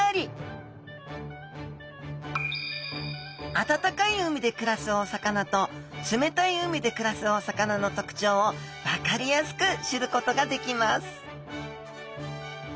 暖かい海で暮らすお魚と冷たい海で暮らすお魚の特徴を分かりやすく知ることができます